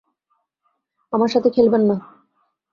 আমার সাথে খেলবেন না।